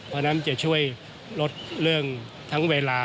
เพราะฉะนั้นจะช่วยลดเรื่องทั้งเวลา